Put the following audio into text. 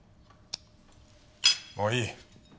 もういい。